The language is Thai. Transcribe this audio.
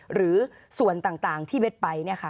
หรือส่วนต่างที่เบสไป